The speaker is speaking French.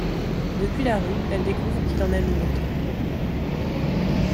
Depuis la rue, elle découvre qu'il en aime une autre.